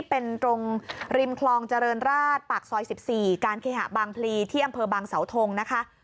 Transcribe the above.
เป็นตรงริมคลองเจริญราชปากซอย๑๔การเคหะบางพลีที่อำเภอบางเสาทงนะคะ